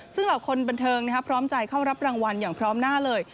ซึ่งเหล่าคนบันเทิงพร้อมใจเข้ารับรางวัลอย่างพร้อมหน้าเลย